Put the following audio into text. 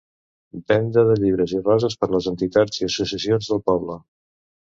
Venda de llibres i roses per les entitats i associacions del poble.